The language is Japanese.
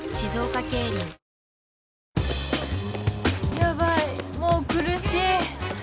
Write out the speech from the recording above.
ヤバいもう苦しい